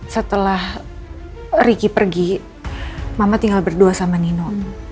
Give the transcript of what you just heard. setelah ricky pergi mama tinggal berdua sama nino